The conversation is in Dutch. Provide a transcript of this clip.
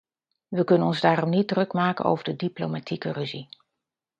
We kunnen ons daarom niet druk maken over de diplomatieke ruzie.